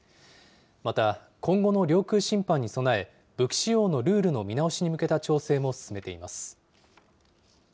また、今後の領空侵犯に備え、武器使用のルールの見直しに向けた調整も進めています。